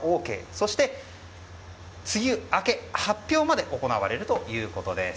そして、梅雨明け発表まで行われるということです。